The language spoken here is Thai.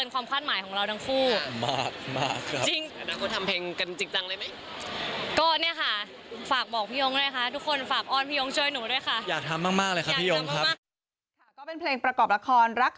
ความอายอยู่แต่ว่าก็โอเคแล้วก็ให้น้องโค้ดได้ขายขอบค่ะ